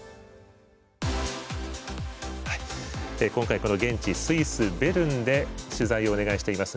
今回現地スイス・ベルンで取材をお願いしています